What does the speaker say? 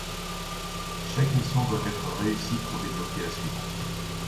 Chaque mission doit être réussie pour débloquer la suivante.